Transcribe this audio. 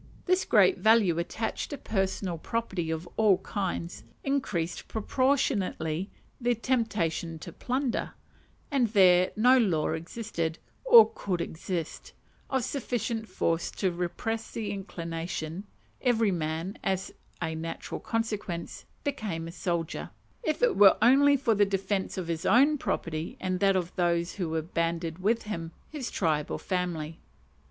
This great value attached to personal property of all kinds, increased proportionately the temptation to plunder; and where no law existed, or could exist, of sufficient force to repress the inclination, every man, as a natural consequence, became a soldier; if it were only for the defence of his own property and that of those who were banded with him his tribe, or family.